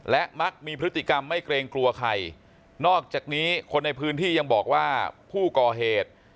และมักมีพฤติกรรมไม่เกรงกลัวใครนอกจากนี้คนในพื้นที่ยังบอกว่าผู้ก่อเหตุ